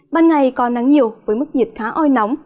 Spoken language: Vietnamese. ban ngày có nắng nhiều với mức nhiệt khá oi nóng